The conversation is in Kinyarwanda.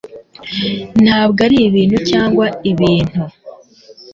Ntabwo ari ibintucyangwa ibintu